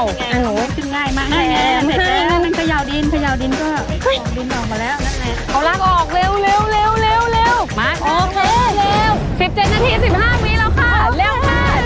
เห้ยยยยสำเร็จแล้ว